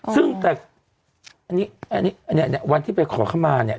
ซึ่งแต่อันนี้อันนี้อันนี้อันเนี่ยวันที่ไปขอเข้ามาเนี่ย